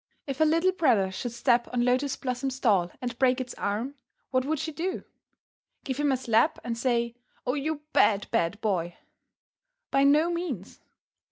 If her little brother should step on Lotus Blossom's doll and break its arm, what would she do? Give him a slap and say, "Oh, you bad, bad boy?" By no means.